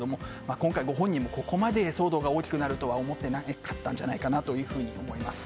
今回、ご本人もここまで騒動が大きくなるとは思っていなかったんじゃないかと思います。